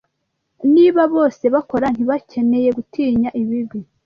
niba bose bakora ntibakeneye gutinya ibibi